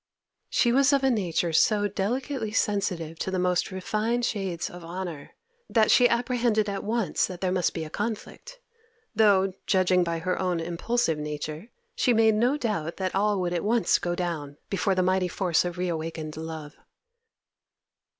She was of a nature so delicately sensitive to the most refined shades of honour, that she apprehended at once that there must be a conflict; though, judging by her own impulsive nature, she made no doubt that all would at once go down before the mighty force of reawakened love.